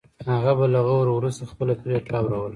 هغه به له غور وروسته خپله پرېکړه اوروله.